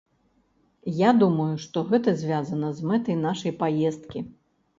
Я думаю, што гэта звязана з мэтай нашай паездкі.